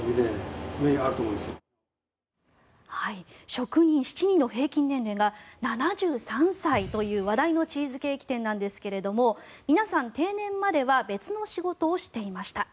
職人７人の平均年齢が７３歳という話題のチーズケーキ店なんですが皆さん、定年までは別の仕事をしていました。